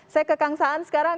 saya ke kang saan sekarang